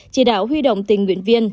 chỉ đạo huy động tình nguyện viên